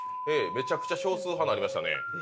めちゃくちゃ少数派になりましたね。